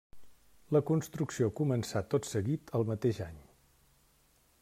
La construcció començà tot seguit el mateix any.